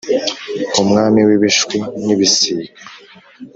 umwami w’ibishwi n’ibisiga!